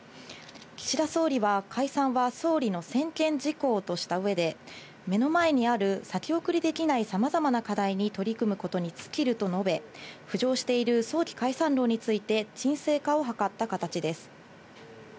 岸田総理は解散は総理の専権事項とした上で、目の前にある先送りできない様々な課題に取り組むことに尽きると述べ、浮上している早期解散論について沈静化を図った形です。